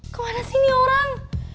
kemana sih ini orang